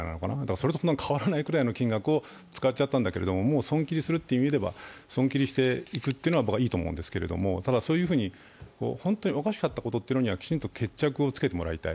それとそんなに変わらないぐらいの金額を使っちゃったんですがもう損切りするという意味では損切りするというのはいいと思うんですけど、ただ、そういうふうに本当におかしかったことにはきちんと決着をつけてもらいたい。